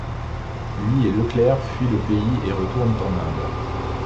Lui et Leclerc fuient le pays et retournent en Inde.